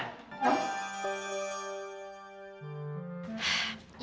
aku mau tidur